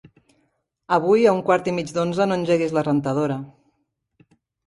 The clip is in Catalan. Avui a un quart i mig d'onze no engeguis la rentadora.